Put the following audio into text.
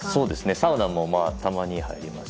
サウナもたまに入りますし。